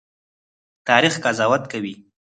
تاریخ قضاوت کوي